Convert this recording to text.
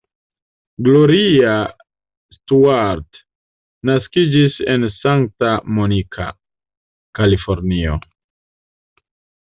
Gloria Stuart naskiĝis en Santa Monica, Kalifornio.